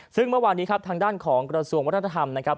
ซึ่งเมื่อวานนี้ครับทางด้านของกระทรวงวัฒนธรรมนะครับ